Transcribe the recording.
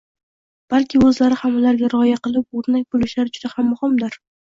balki o‘zlari ham ularga rioya qilib, o‘rnak bo‘lishlari juda ham muhimdir.